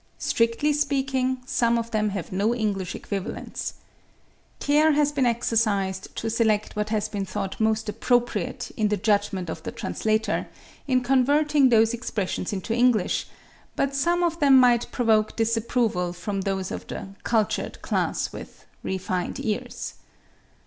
Strictly speaking, some of them have no English equivalents. Care has been exercised to select what has been thought most appropriate in the judgment or the translator in converting those expressions into English but some of them might provoke disapproval from those of the "cultured" class with "refined" ears.